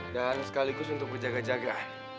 dan sekaligus untuk berjaga jaga